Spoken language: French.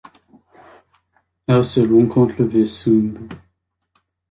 Elle se rencontre vers Sumbe.